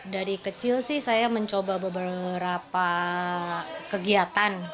dari kecil sih saya mencoba beberapa kegiatan